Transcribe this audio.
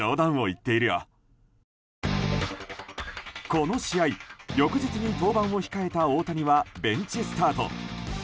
この試合、翌日に登板を控えた大谷はベンチスタート。